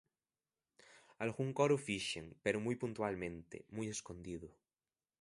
Algún coro fixen, pero moi puntualmente, moi escondido.